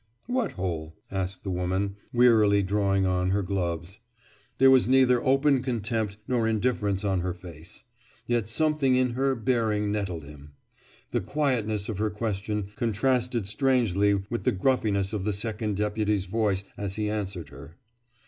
"What hole?" asked the woman, wearily drawing on her gloves. There was neither open contempt nor indifference on her face. Yet something in her bearing nettled him. The quietness of her question contrasted strangely with the gruffness of the Second Deputy's voice as he answered her.